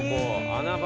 穴場。